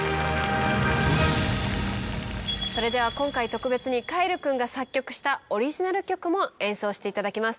それでは今回特別に凱成君が作曲したオリジナル曲も演奏していただきます。